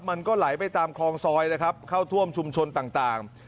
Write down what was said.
มันก็ไหลไปตามคลองซอยนะครับเข้าท่วมชุมชนต่าง